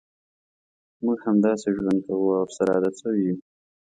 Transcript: موږ همداسې ژوند کوو او ورسره عادت شوي یوو.